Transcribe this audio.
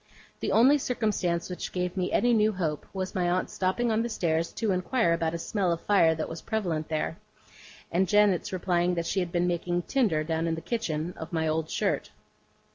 The only circumstance which gave me any new hope, was my aunt's stopping on the stairs to inquire about a smell of fire that was prevalent there; and janet's replying that she had been making tinder down in the kitchen, of my old shirt.